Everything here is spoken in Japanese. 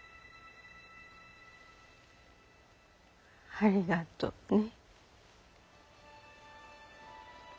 ありがとうね。